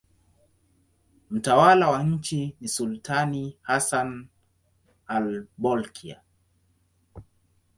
Mtawala wa nchi ni sultani Hassan al-Bolkiah.